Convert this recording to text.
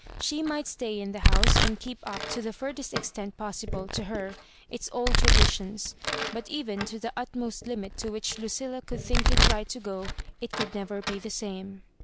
She might stay in the house, and keep up to the furthest extent possible, to her, its old traditions ; but even to the utmost limit to which Lucilla could think it right to go it could never be the same.